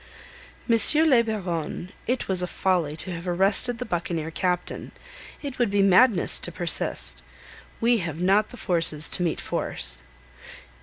"M. le Baron, it was a folly to have arrested the buccaneer captain. It would be madness to persist. We have not the forces to meet force."